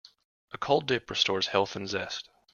A cold dip restores health and zest.